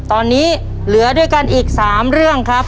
ตอนนี้เหลือด้วยกันอีก๓เรื่องครับ